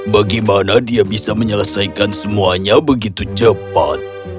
bagaimana dia bisa menyelesaikan semuanya begitu cepat